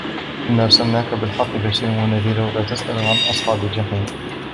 إنا أرسلناك بالحق بشيرا ونذيرا ولا تسأل عن أصحاب الجحيم